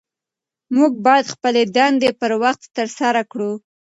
موږ باید خپلې دندې پر وخت ترسره کړو